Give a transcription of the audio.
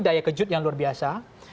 daya kejut yang luar biasa